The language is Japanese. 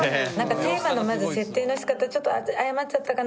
テーマのまず設定の仕方ちょっと誤っちゃったかな